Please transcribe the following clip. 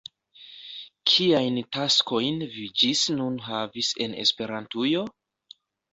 Kiajn taskojn vi ĝis nun havis en Esperantujo?